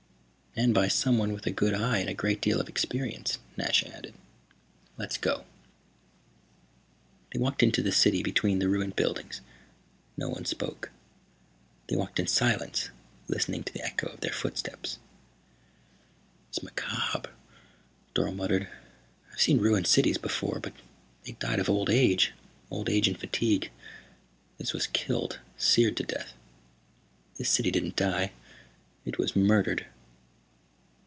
"And by someone with a good eye and a great deal of experience," Nasha added. "Let's go." They walked into the city between the ruined buildings. No one spoke. They walked in silence, listening to the echo of their footsteps. "It's macabre," Dorle muttered. "I've seen ruined cities before but they died of old age, old age and fatigue. This was killed, seared to death. This city didn't die it was murdered."